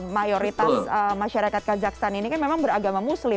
mayoritas masyarakat kazakhstan ini kan memang beragama muslim